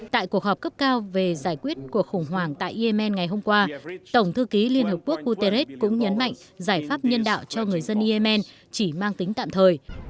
tại cuộc họp cấp cao về giải quyết cuộc khủng hoảng tại yemen ngày hôm qua tổng thư ký liên hợp quốc guterres cũng nhấn mạnh giải pháp nhân đạo cho người dân yemen chỉ mang tính tạm thời